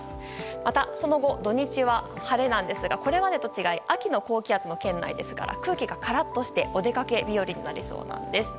まだ、その後土日は晴れなんですがこれまでと違い秋の高気圧の圏内ですから空気がカラッとしてお出かけ日和になりそうなんです。